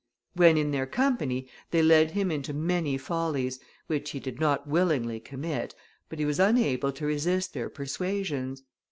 When in their company, they led him into many follies, which he did not willingly commit, but he was unable to resist their persuasions.